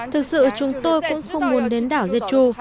thực sự chúng tôi cũng không muốn đến đảo jetro